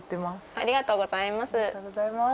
ありがとうございます。